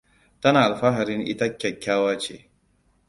Tana alfaharin ita kyakkyawa ce.